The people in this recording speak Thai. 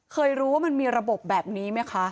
เคยรู้ว่ามันมีระบบแบบนี้ไหมคะ